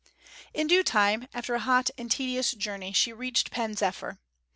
In due time, after a hot and tedious journey, she reached Pen zephyr.